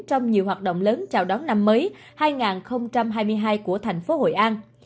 trong nhiều hoạt động lớn chào đón năm mới hai nghìn hai mươi hai của thành phố hội an